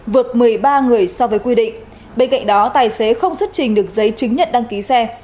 vượt một mươi ba người so với quy định bên cạnh đó tài xế không xuất trình được giấy chứng nhận đăng ký xe